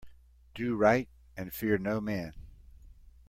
Do right and fear no man.